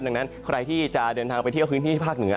ดังนั้นใครที่จะเดินทางไปเที่ยวพื้นที่ภาคเหนือ